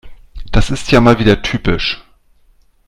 Das ist ja wieder mal typisch.